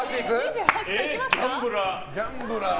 ギャンブラー。